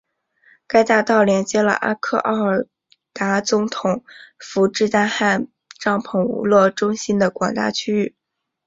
该大道连接了阿克奥尔达总统府至大汗帐篷娱乐中心的广大区域。